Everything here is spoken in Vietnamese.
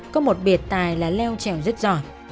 có một biệt tài là leo trèo rất giỏi